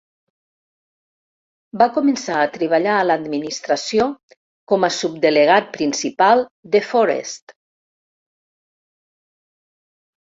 Va començar a treballar a l'Administració com a Subdelegat Principal de Forests.